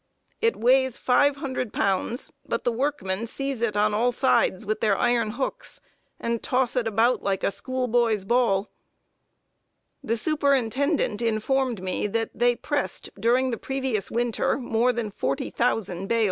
It weighs five hundred pounds, but the workmen seize it on all sides with their iron hooks, and toss it about like a schoolboy's ball. The superintendent informed me that they pressed, during the previous winter, more than forty thousand bales. [Sidenote: THE BARRACKS.